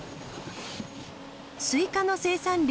スイカの生産量